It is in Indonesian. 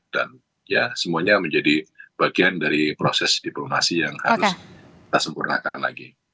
dan ya semuanya menjadi bagian dari proses diplomasi yang harus disempurnakan lagi